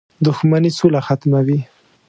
• دښمني سوله ختموي.